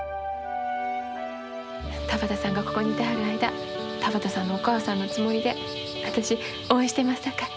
田畑さんがここにいてはる間田畑さんのお母さんのつもりで私応援してますさかい。